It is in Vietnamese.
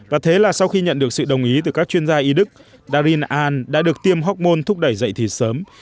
và thế là sau khi nhận được sự đồng ý từ các chuyên gia y đức darin ahn đã được tiêm hormone thúc đẩy dậy thì sớm